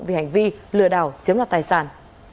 vì hành vi lừa đảo chiếm đoạt tài sản